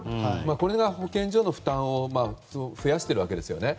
これが保健所の負担を増やしているわけですよね。